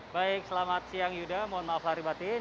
baik selamat siang yuda mohon maaflah ribatin